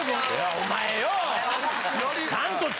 お前よ。